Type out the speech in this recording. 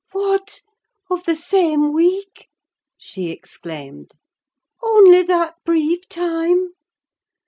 "What! of the same week?" she exclaimed. "Only that brief time?"